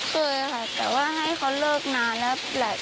เคยค่ะแต่ว่าให้เขาเลิกนานแล้วแหละ